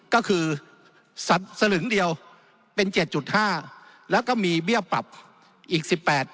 ก็คือสลึงเดียวเป็น๗๕แล้วก็มีเบี้ยปรับอีก๑๘